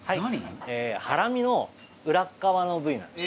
ハラミの裏側の部位なんですね。